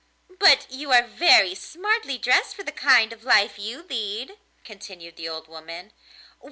'But you are very smartly dressed for the kind of life you lead,' continued the old woman.